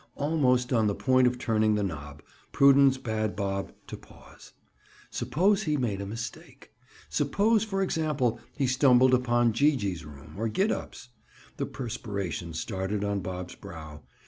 Almost on the point of turning the knob, prudence bade Bob to pause. Suppose he made a mistake? Suppose, for example, he stumbled upon Gee gee's room, or Gid up's? The perspiration started on Bob's brow.